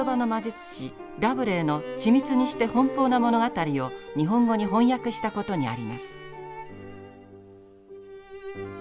ラブレーの緻密にして奔放な物語を日本語に翻訳したことにあります。